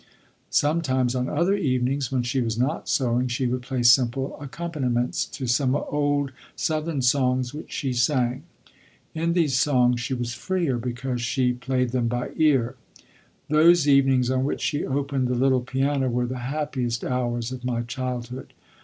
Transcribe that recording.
Sometimes on other evenings, when she was not sewing, she would play simple accompaniments to some old Southern songs which she sang. In these songs she was freer, because she played them by ear. Those evenings on which she opened the little piano were the happiest hours of my childhood.